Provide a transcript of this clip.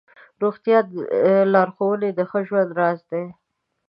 روغتیایي لارښوونې د ښه ژوند راز دی.